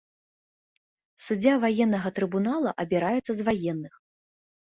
Суддзя ваеннага трыбунала абіраецца з ваенных.